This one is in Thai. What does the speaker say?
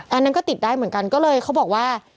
อันนั้นก็ติดได้เหมือนกันก็เลยเขาบอกว่า